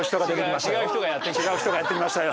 違う人がやって来たね。